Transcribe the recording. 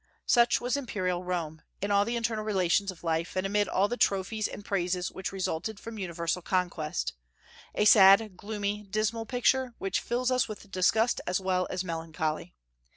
Such was imperial Rome, in all the internal relations of life, and amid all the trophies and praises which resulted from universal conquest, a sad, gloomy, dismal picture, which fills us with disgust as well as melancholy.